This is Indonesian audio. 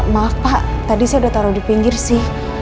maaf pak tadi saya udah taruh di pinggir sih